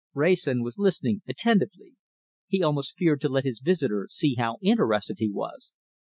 Wrayson was listening attentively; he almost feared to let his visitor see how interested he was.